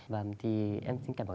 và thì em xin cảm nhận